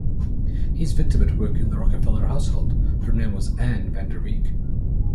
His victim had worked in the Rockefeller household; her name was Ann Vanderbeak.